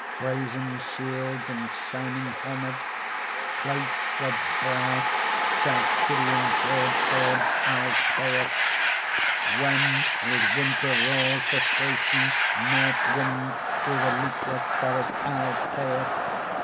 Brazen shields and shining helmets, Plates of brass, Chalcidian broad swords, O Alcæus! When with winter roars the Thracian North wind through the leafless forest, O Alcæus!